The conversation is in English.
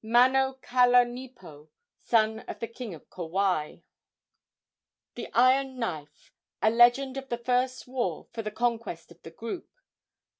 Manokalanipo, son of the king of Kauai. THE IRON KNIFE. A LEGEND OF THE FIRST WAR FOR THE CONQUEST OF THE GROUP.